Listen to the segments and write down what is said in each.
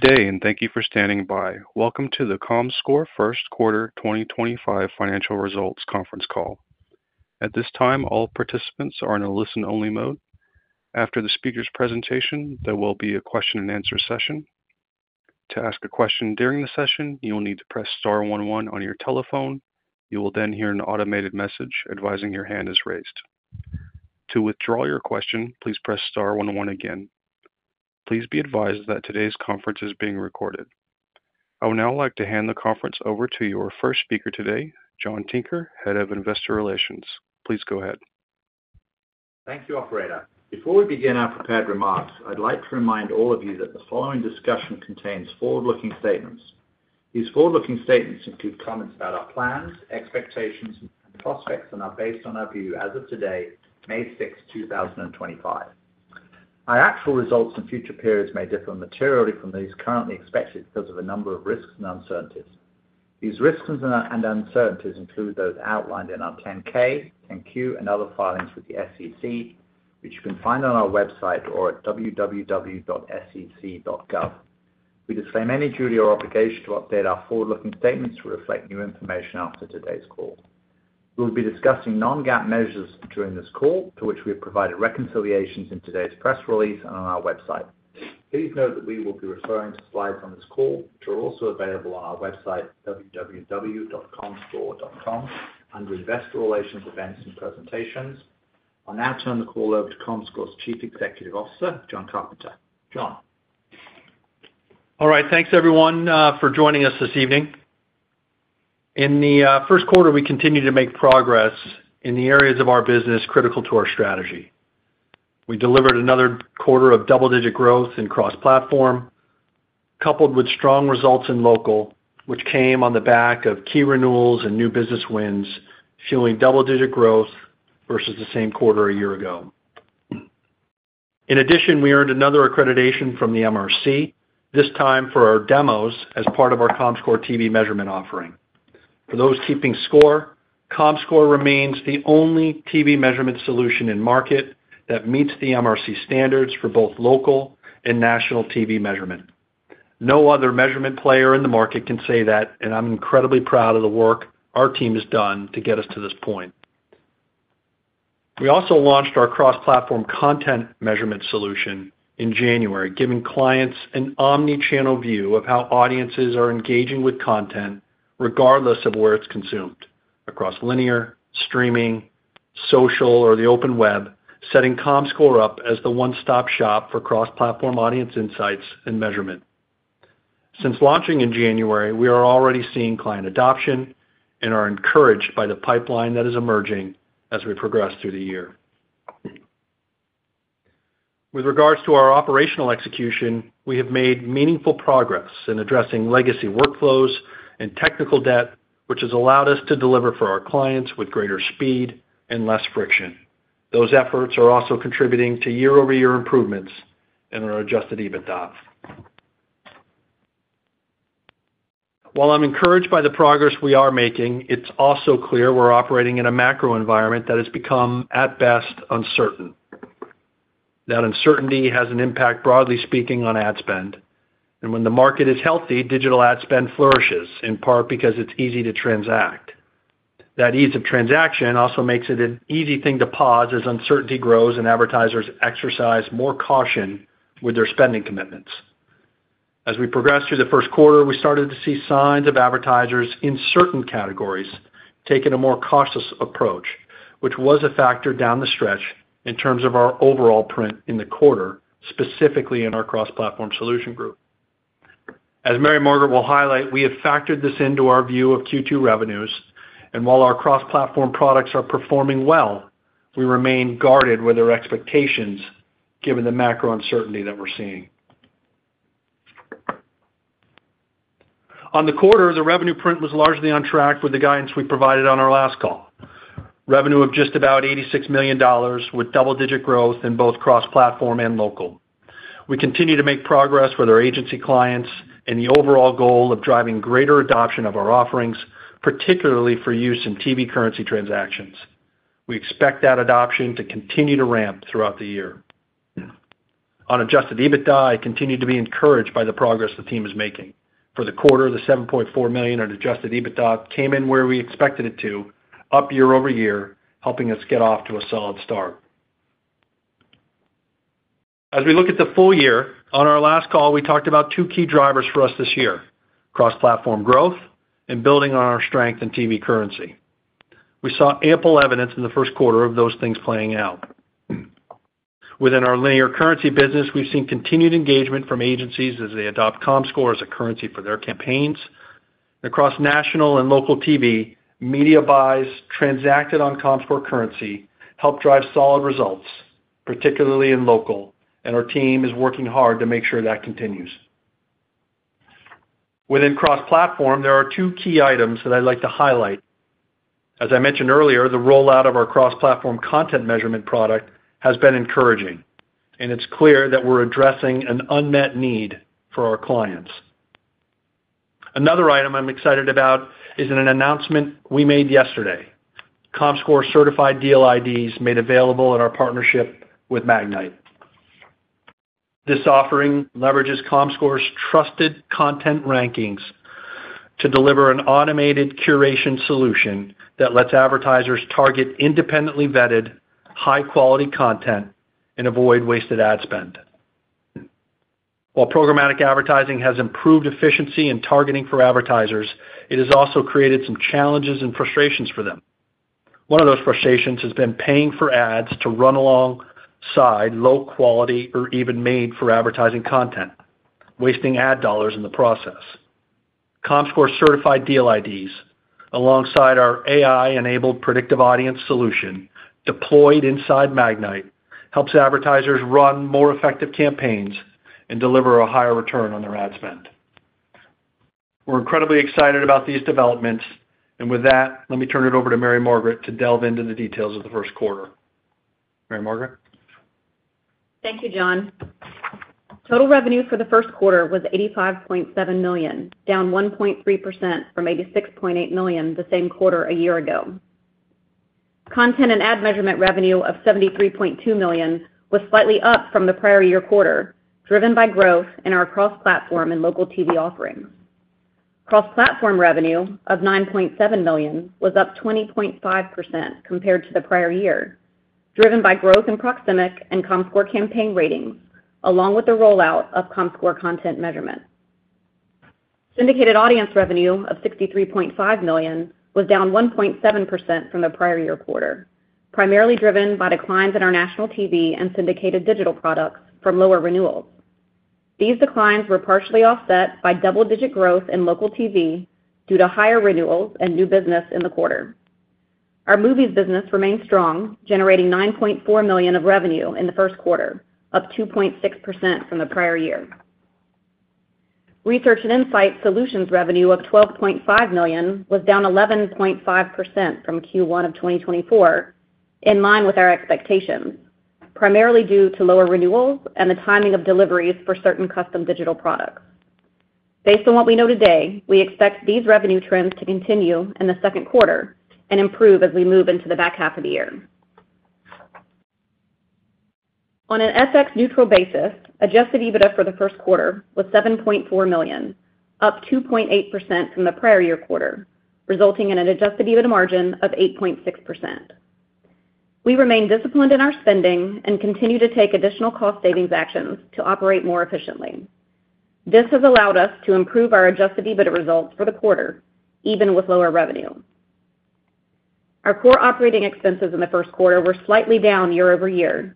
Good day, and thank you for standing by. Welcome to the Comscore first quarter 2025 financial results conference call. At this time, all participants are in a listen-only mode. After the speaker's presentation, there will be a question-and-answer session. To ask a question during the session, you'll need to press star one one on your telephone. You will then hear an automated message advising your hand is raised. To withdraw your question, please press star one one again. Please be advised that today's conference is being recorded. I would now like to hand the conference over to your first speaker today, John Tinker, Head of Investor Relations. Please go ahead. Thank you, operator. Before we begin our prepared remarks, I'd like to remind all of you that the following discussion contains forward-looking statements. These forward-looking statements include comments about our plans, expectations, and prospects, and are based on our view as of today, May 6th, 2025. Our actual results and future periods may differ materially from these currently expected because of a number of risks and uncertainties. These risks and uncertainties include those outlined in our 10-K, 10-Q, and other filings with the SEC, which you can find on our website or at www.sec.gov. We disclaim any duty or obligation to update our forward-looking statements to reflect new information after today's call. We will be discussing non-GAAP measures during this call, to which we have provided reconciliations in today's press release and on our website. Please note that we will be referring to slides on this call, which are also available on our website, www.comscore.com, under Investor Relations Events and Presentations. I'll now turn the call over to Comscore's Chief Executive Officer, John Carpenter. John. All right. Thanks, everyone, for joining us this evening. In the first quarter, we continued to make progress in the areas of our business critical to our strategy. We delivered another quarter of double-digit growth in cross-platform, coupled with strong results in local, which came on the back of key renewals and new business wins, fueling double-digit growth versus the same quarter a year ago. In addition, we earned another accreditation from the MRC, this time for our demos as part of our Comscore TV measurement offering. For those keeping score, Comscore remains the only TV measurement solution in market that meets the MRC standards for both local and national TV measurement. No other measurement player in the market can say that, and I'm incredibly proud of the work our team has done to get us to this point. We also launched our cross-platform content measurement solution in January, giving clients an omnichannel view of how audiences are engaging with content, regardless of where it's consumed, across linear, streaming, social, or the open web, setting Comscore up as the one-stop shop for cross-platform audience insights and measurement. Since launching in January, we are already seeing client adoption and are encouraged by the pipeline that is emerging as we progress through the year. With regards to our operational execution, we have made meaningful progress in addressing legacy workflows and technical debt, which has allowed us to deliver for our clients with greater speed and less friction. Those efforts are also contributing to year-over-year improvements in our Adjusted EBITDA. While I'm encouraged by the progress we are making, it's also clear we're operating in a macro environment that has become, at best, uncertain. That uncertainty has an impact, broadly speaking, on ad spend. When the market is healthy, digital ad spend flourishes, in part because it's easy to transact. That ease of transaction also makes it an easy thing to pause as uncertainty grows and advertisers exercise more caution with their spending commitments. As we progressed through the first quarter, we started to see signs of advertisers in certain categories taking a more cautious approach, which was a factor down the stretch in terms of our overall print in the quarter, specifically in our cross-platform solution group. As Mary Margaret will highlight, we have factored this into our view of Q2 revenues. While our cross-platform products are performing well, we remain guarded with our expectations given the macro uncertainty that we're seeing. On the quarter, the revenue print was largely on track with the guidance we provided on our last call, revenue of just about $86 million with double-digit growth in both cross-platform and local. We continue to make progress with our agency clients and the overall goal of driving greater adoption of our offerings, particularly for use in TV currency transactions. We expect that adoption to continue to ramp throughout the year. On Adjusted EBITDA, I continue to be encouraged by the progress the team is making. For the quarter, the $7.4 million in Adjusted EBITDA came in where we expected it to, up year-over-year, helping us get off to a solid start. As we look at the full year, on our last call, we talked about two key drivers for us this year: cross-platform growth and building on our strength in TV currency. We saw ample evidence in the first quarter of those things playing out. Within our linear currency business, we've seen continued engagement from agencies as they adopt Comscore as a currency for their campaigns. Across national and local TV, media buys transacted on Comscore currency helped drive solid results, particularly in local, and our team is working hard to make sure that continues. Within cross-platform, there are two key items that I'd like to highlight. As I mentioned earlier, the rollout of our cross-platform content measurement product has been encouraging, and it's clear that we're addressing an unmet need for our clients. Another item I'm excited about is in an announcement we made yesterday: Comscore certified deal IDs made available in our partnership with Magnite. This offering leverages Comscore's trusted content rankings to deliver an automated curation solution that lets advertisers target independently vetted high-quality content and avoid wasted ad spend. While programmatic advertising has improved efficiency in targeting for advertisers, it has also created some challenges and frustrations for them. One of those frustrations has been paying for ads to run alongside low-quality or even made-for-advertising content, wasting ad dollars in the process. Comscore Certified Deal IDs, alongside our AI-enabled predictive audience solution deployed inside Magnite, helps advertisers run more effective campaigns and deliver a higher return on their ad spend. We are incredibly excited about these developments. With that, let me turn it over to Mary Margaret to delve into the details of the first quarter. Mary Margaret? Thank you, John. Total revenue for the first quarter was $85.7 million, down 1.3% from $86.8 million the same quarter a year ago. Content and ad measurement revenue of $73.2 million was slightly up from the prior year quarter, driven by growth in our cross-platform and local TV offerings. Cross-platform revenue of $9.7 million was up 20.5% compared to the prior year, driven by growth in Proximic and Comscore Campaign Ratings, along with the rollout of Comscore Content Measurement. Syndicated audience revenue of $63.5 million was down 1.7% from the prior year quarter, primarily driven by declines in our national TV and syndicated digital products from lower renewals. These declines were partially offset by double-digit growth in local TV due to higher renewals and new business in the quarter. Our movies business remained strong, generating $9.4 million of revenue in the first quarter, up 2.6% from the prior year. Research and insight solutions revenue of $12.5 million was down 11.5% from Q1 of 2024, in line with our expectations, primarily due to lower renewals and the timing of deliveries for certain custom digital products. Based on what we know today, we expect these revenue trends to continue in the second quarter and improve as we move into the back half of the year. On an FX-neutral basis, Adjusted EBITDA for the first quarter was $7.4 million, up 2.8% from the prior year quarter, resulting in an Adjusted EBITDA margin of 8.6%. We remain disciplined in our spending and continue to take additional cost-savings actions to operate more efficiently. This has allowed us to improve our Adjusted EBITDA results for the quarter, even with lower revenue. Our core operating expenses in the first quarter were slightly down year-over-year,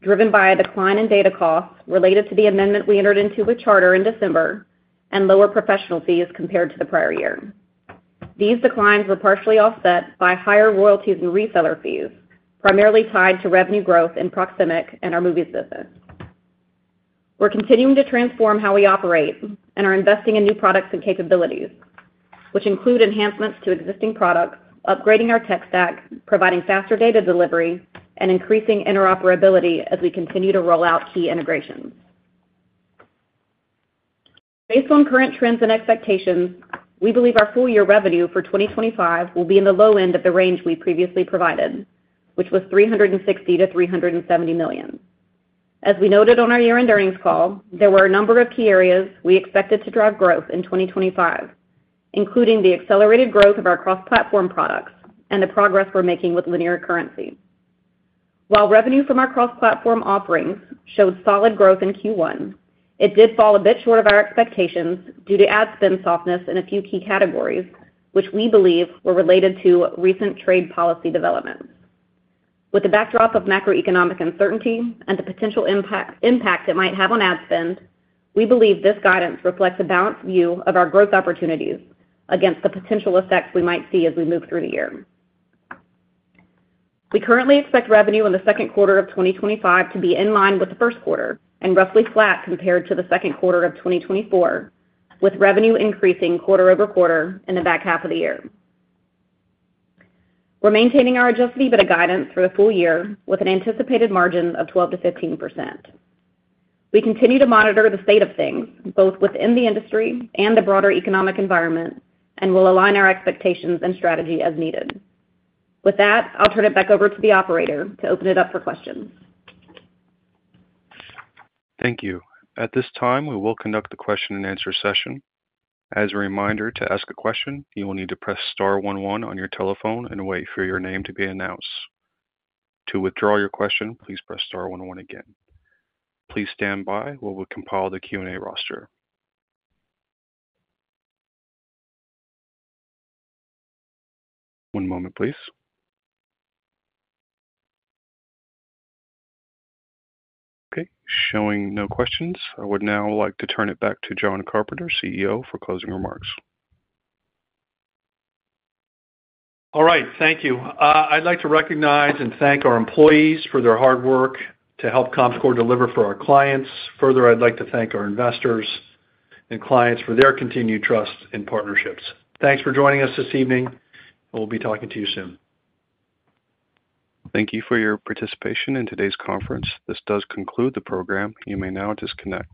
driven by a decline in data costs related to the amendment we entered into with Charter in December and lower professional fees compared to the prior year. These declines were partially offset by higher royalties and reseller fees, primarily tied to revenue growth in Proximic and our movies business. We're continuing to transform how we operate and are investing in new products and capabilities, which include enhancements to existing products, upgrading our tech stack, providing faster data delivery, and increasing interoperability as we continue to roll out key integrations. Based on current trends and expectations, we believe our full-year revenue for 2025 will be in the low end of the range we previously provided, which was $360 million-$370 million. As we noted on our year-end earnings call, there were a number of key areas we expected to drive growth in 2025, including the accelerated growth of our cross-platform products and the progress we're making with linear currency. While revenue from our cross-platform offerings showed solid growth in Q1, it did fall a bit short of our expectations due to ad spend softness in a few key categories, which we believe were related to recent trade policy developments. With the backdrop of macroeconomic uncertainty and the potential impact it might have on ad spend, we believe this guidance reflects a balanced view of our growth opportunities against the potential effects we might see as we move through the year. We currently expect revenue in the second quarter of 2025 to be in line with the first quarter and roughly flat compared to the second quarter of 2024, with revenue increasing quarter-over-quarter in the back half of the year. We're maintaining our Adjusted EBITDA guidance for the full year with an anticipated margin of 12%-15%. We continue to monitor the state of things, both within the industry and the broader economic environment, and will align our expectations and strategy as needed. With that, I'll turn it back over to the operator to open it up for questions. Thank you. At this time, we will conduct the question-and-answer session. As a reminder, to ask a question, you will need to press star one one on your telephone and wait for your name to be announced. To withdraw your question, please press star one one again. Please stand by while we compile the Q&A roster. One moment, please. Okay. Showing no questions. I would now like to turn it back to John Carpenter, CEO, for closing remarks. All right. Thank you. I'd like to recognize and thank our employees for their hard work to help Comscore deliver for our clients. Further, I'd like to thank our investors and clients for their continued trust and partnerships. Thanks for joining us this evening. We'll be talking to you soon. Thank you for your participation in today's conference. This does conclude the program. You may now disconnect.